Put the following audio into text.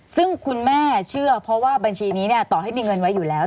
ซึ่งคุณแม่เชื่อเพราะว่าบัญชีนี้ต่อให้มีเงินไว้อยู่แล้ว